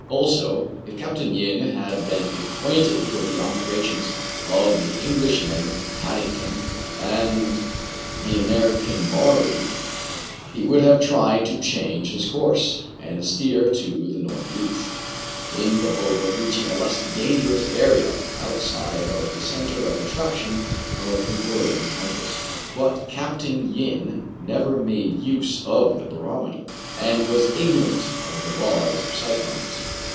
Also, if Capt. Yin had been acquainted with the observations of the Englishman Pad dington and the American Maury, he would have tried to change his course, and steer to the north east, in the hope of reaching a less dangerous area, outside of the centre of attraction of the whirling tempest. But Capt. Yin never made use of the barometer, and was ignorant of the laws of cyclones.